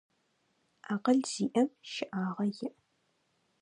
Акъыл зиӏэм щэӏагъэ иӏ.